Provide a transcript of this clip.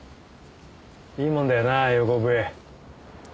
いいもんだよな横笛。